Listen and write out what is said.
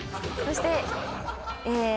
そしてえ。